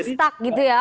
stuck gitu ya